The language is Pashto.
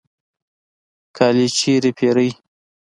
کالی چیرته پیرئ؟